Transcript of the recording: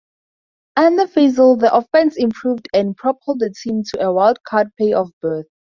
Under Fassel the offense improved and propelled the team to a wild-card playoff berth.